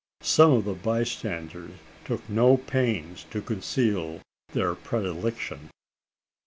Some of the bystanders took no pains to conceal their predilection.